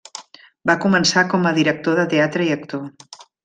Va començar com a director de teatre i actor.